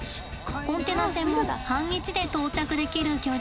コンテナ船も半日で到着できる距離。